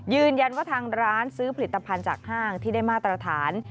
ยืนยันว่าทางร้านซื้อผลิตภัณฑ์จากห้างที่ได้มาตรฐาน